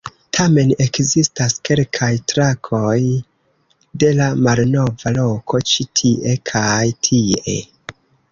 Tamen ekzistas kelkaj trakoj de la malnova loko, ĉi tie kaj tie.